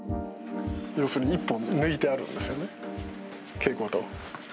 要するに１本抜いてあるんですよね、蛍光灯。